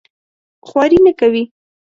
خواري نه کوي.